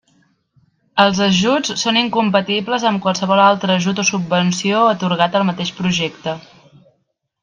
Els ajuts són incompatibles amb qualsevol altre ajut o subvenció atorgat al mateix projecte.